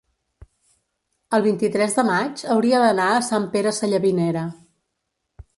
el vint-i-tres de maig hauria d'anar a Sant Pere Sallavinera.